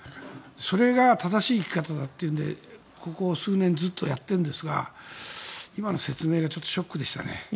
それが正しい生き方だとここ数年ずっとやってるんですが今の説明がちょっとショックでしたね。